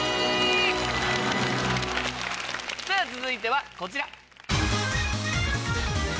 では続いてはこちら。